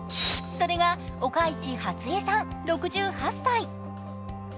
それが岡市初枝さん６８歳。